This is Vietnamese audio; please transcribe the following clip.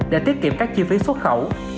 để tiết kiệm các chi phí xuất khẩu